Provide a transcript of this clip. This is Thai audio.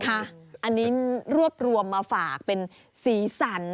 อันนี้รวบรวมมาฝากเป็นสีสัน